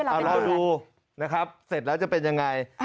เอาเราดูนะครับเสร็จแล้วจะเป็นยังไง